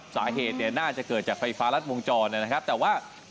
สาเหตุเนี่ยน่าจะเกิดจากไฟฟ้ารัดวงจรนะครับแต่ว่า